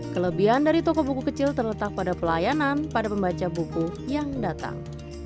kelebihan dari toko buku kecil terletak pada pelayanan pada pembaca buku yang datang